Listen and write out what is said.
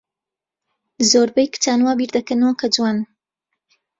زۆربەی کچان وا بیردەکەنەوە کە جوانن.